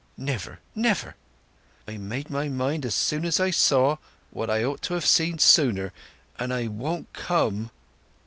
"Never, never! I made up my mind as soon as I saw—what I ought to have seen sooner; and I won't come."